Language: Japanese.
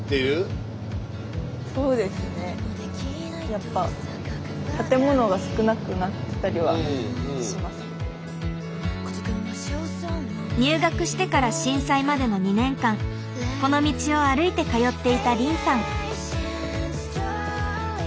やっぱ入学してから震災までの２年間この道を歩いて通っていた凜さん。